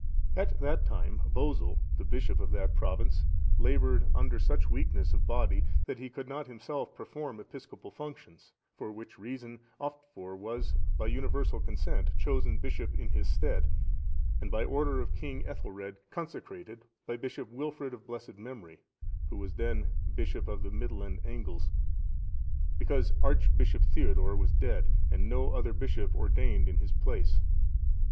At that time, Bosel, the bishop of that province,(700) laboured under such weakness of body, that he could not himself perform episcopal functions; for which reason, Oftfor was, by universal consent, chosen bishop in his stead, and by order of King Ethelred,(701) consecrated by Bishop Wilfrid,(702) of blessed memory, who was then Bishop of the Midland Angles, because Archbishop Theodore was dead, and no other bishop ordained in his place.